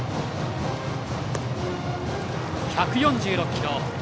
１４６キロ。